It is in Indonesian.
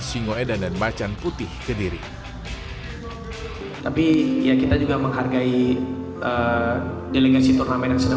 singoedan dan macan putih kediri tapi ya kita juga menghargai delegasi turnamen yang sedang